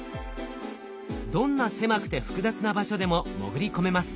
どんな狭くて複雑な場所でも潜り込めます。